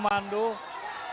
para pendukung berterima kasih